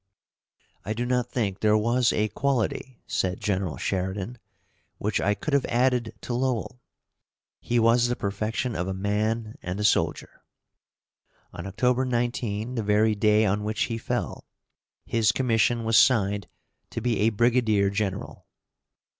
"I do not think there was a quality," said General Sheridan, "which I could have added to Lowell. He was the perfection of a man and a soldier." On October 19, the very day on which he fell, his commission was signed to be a brigadier general.